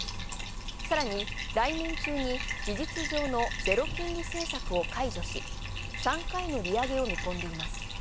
さらに来年中に事実上のゼロ金利政策を解除し、３回の利上げを見込んでいます